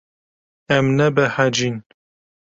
Em nebehecîn.